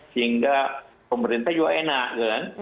sehingga pemerintah juga enak kan